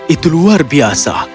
itu luar biasa